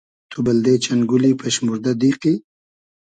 تو بئلدې چئن گولی پئشموردۂ دیقی؟